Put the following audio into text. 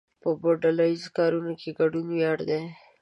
په ډله ایزو کارونو کې ګډون ویاړ دی.